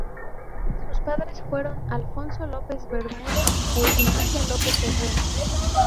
Sus padres fueron Alfonso López Bermúdez e Ignacia López Herrera.